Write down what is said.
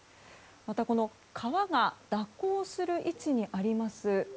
また川が蛇行する位置にあります